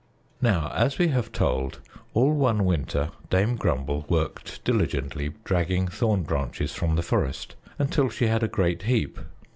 Now, as we have told, all one winter Dame Grumble worked diligently dragging thorn branches from the forest, until she had a great heap.